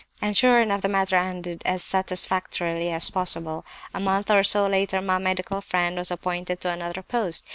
"And sure enough the matter ended as satisfactorily as possible. A month or so later my medical friend was appointed to another post.